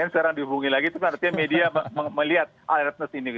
sekarang dihubungi lagi itu kan artinya media melihat alertness ini